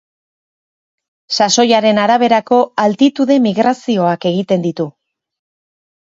Sasoiaren araberako altitude-migrazioak egiten ditu.